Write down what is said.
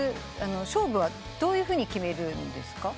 勝負はどういうふうに決めるんですか？